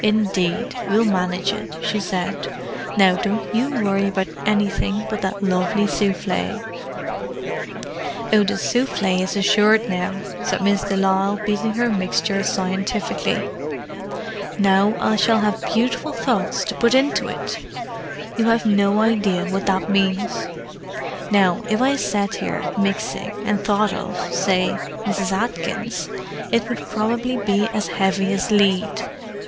"Indeed, we'll manage it," she said. "Now, don't you worry about anything but that lovely souffle." "Oh, the souffle is assured now," said Miss de Lisle, beating her mixture scientifically. "Now I shall have beautiful thoughts to put into it! You have no idea what that means. Now, if I sat here mixing, and thought of, say, Mrs. Atkins, it would probably be as heavy as lead!"